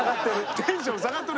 テンション下がっとる。